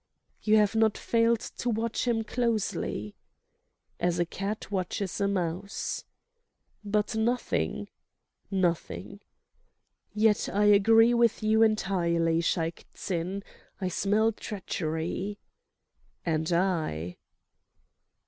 "You have not failed to watch him closely?" "As a cat watches a mouse." "But—nothing?" "Nothing." "Yet I agree with you entirely, Shaik Tsin. I smell treachery." "And I."